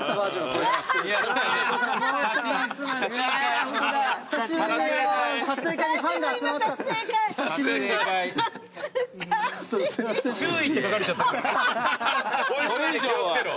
こいつらに気を付けろ。